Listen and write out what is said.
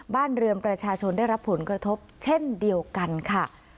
บ้านเรือนประชาชนได้รับผลกระทบเช่นเดียวกันค่ะ